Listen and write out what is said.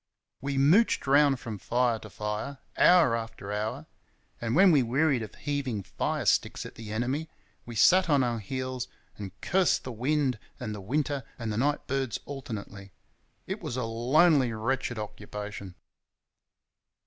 We mooched around from fire to fire, hour after hour, and when we wearied of heaving fire sticks at the enemy we sat on our heels and cursed the wind, and the winter, and the night birds alternately. It was a lonely, wretched occupation.